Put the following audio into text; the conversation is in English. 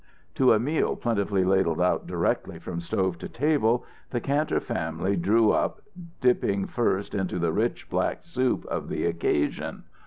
To a meal plentifully ladled out directly from stove to table, the Kantor family drew up, dipping first into the rich black soup of the occasion.